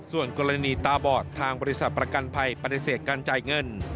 ส่วนกรณีตาบอดทางบริษัทประกันภัยปฏิเสธการจ่ายเงิน